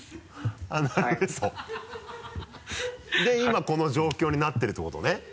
で今この状況になってるってことね。